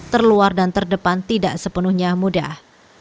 terluar dan terdepan tidak sepenuhnya mudah